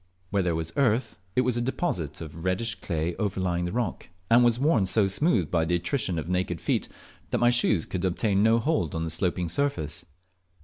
Where there was earth, it was a deposit of reddish clay overlying the rock, and was worn so smooth by the attrition of naked feet that my shoes could obtain no hold on the sloping surface.